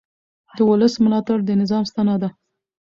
د ولس ملاتړ د نظام ستنه ده